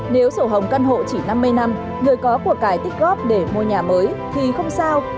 nếu sổ hồng căn hộ chỉ năm mươi năm người có cuộc cải tích góp để mua nhà mới thì không sao